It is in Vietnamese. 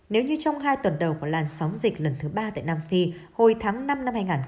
nếu như trong hai tuần đầu của làn sóng dịch lần thứ ba tại nam phi hồi tháng năm năm hai nghìn hai mươi